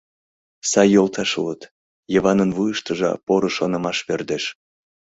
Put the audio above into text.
«Сай йолташ улыт, — Йыванын вуйыштыжо поро шонымаш пӧрдеш.